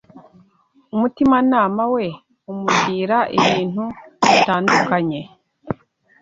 umutimanama we umugira ibintu bitandukanye